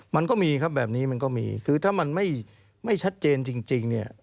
มันก็มีครับแบบนี้มันก็มีคือถ้ามันไม่ชัดเจนจริงเนี่ย